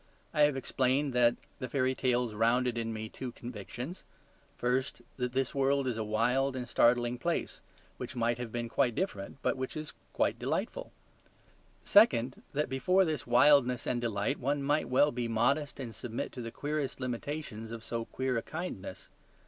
I have explained that the fairy tales founded in me two convictions; first, that this world is a wild and startling place, which might have been quite different, but which is quite delightful; second, that before this wildness and delight one may well be modest and submit to the queerest limitations of so queer a kindness.